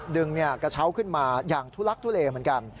กระเช้าขึ้นมาอย่างทุลักทุเลเหมือนกัน